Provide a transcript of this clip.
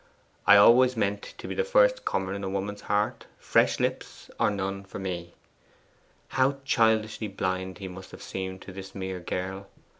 'I always meant to be the first comer in a woman's heart, fresh lips or none for me.' How childishly blind he must have seemed to this mere girl!